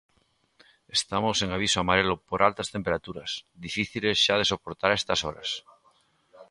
Estamos en aviso amarelo por altas temperaturas, difíciles xa de soportar a estas horas.